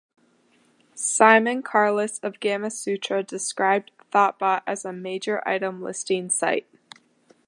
Simon Carless of Gamasutra described Thottbot as a "major item listing site".